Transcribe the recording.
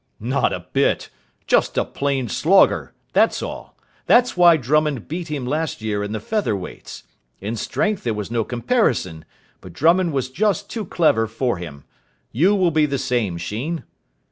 "Not a bit. Just a plain slogger. That's all. That's why Drummond beat him last year in the Feather Weights. In strength there was no comparison, but Drummond was just too clever for him. You will be the same, Sheen."